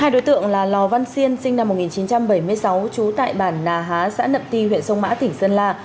hai đối tượng là lò văn xiên sinh năm một nghìn chín trăm bảy mươi sáu trú tại bản nà há xã nậm ti huyện sông mã tỉnh sơn la